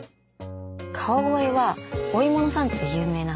川越はお芋の産地で有名なんですよ。